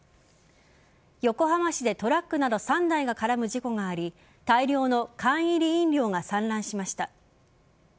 横浜市で、トラックなど３台が絡む事故があり大量の缶入り飲料が散乱しました。